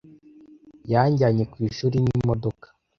Yanjyanye ku ishuri n'imodoka.